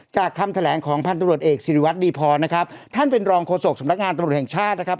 คำแถลงของพันธุรกิจเอกสิริวัตรดีพรนะครับท่านเป็นรองโฆษกสำนักงานตำรวจแห่งชาตินะครับ